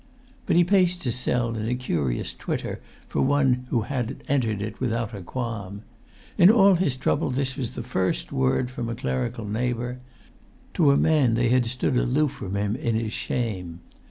But he paced his cell in a curious twitter for one who had entered it without a qualm. In all his trouble this was the first word from a clerical neighbour: to a man they had stood aloof from him in his shame.